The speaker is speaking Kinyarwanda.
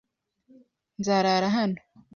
Nzarara hano.